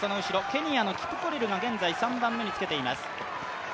ケニアのキプコリルが現在３番目につけています。